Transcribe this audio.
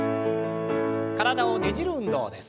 体をねじる運動です。